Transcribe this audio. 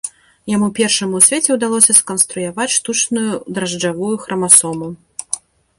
Яму першаму ў свеце ўдалося сканструяваць штучную дражджавую храмасому.